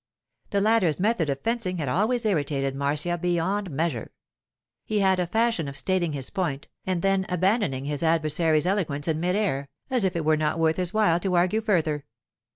The latter's method of fencing had always irritated Marcia beyond measure. He had a fashion of stating his point, and then abandoning his adversary's eloquence in mid air, as if it were not worth his while to argue further.